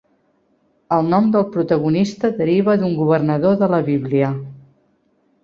El nom del protagonista deriva d'un governador de la Bíblia.